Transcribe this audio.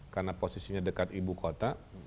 karena posisinya dekat ibu kota